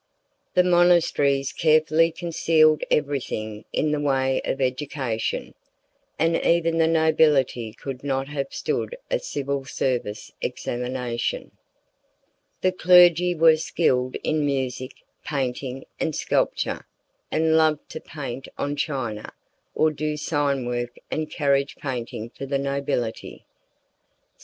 The monasteries carefully concealed everything in the way of education, and even the nobility could not have stood a civil service examination. The clergy were skilled in music, painting, and sculpture, and loved to paint on china, or do sign work and carriage painting for the nobility. St.